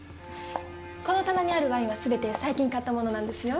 この棚にあるワインはすべて最近買ったものなんですよ。